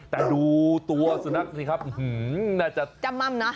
แต่ดูตัวสุนัขนี่ครับอื้อหือน่าจะจำม่ำนะ